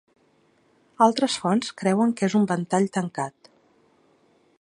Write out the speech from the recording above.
Altres fonts creuen que és un ventall tancat.